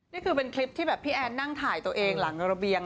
นี่คือเป็นคลิปที่แบบพี่แอนนั่งถ่ายตัวเองหลังระเบียง